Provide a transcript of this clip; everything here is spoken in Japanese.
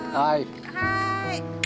はい。